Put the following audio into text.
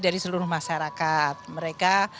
dari seluruh masyarakat mereka